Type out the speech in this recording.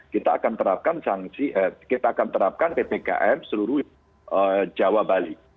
kita akan terapkan ppkm seluruh jawa bali